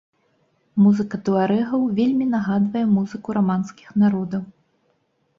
Музыка туарэгаў вельмі нагадвае музыку раманскіх народаў.